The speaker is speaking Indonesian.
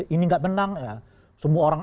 ini gak menang semua orang